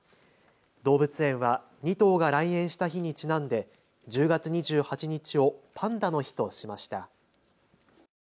動物園は２頭が来園した日にちなんで１０月２８日をパンダの日としました。